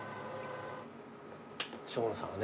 生野さんはね